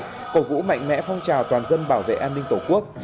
các cán bộ chiến sĩ đều vũ mạnh mẽ phong trào toàn dân bảo vệ an ninh tổ quốc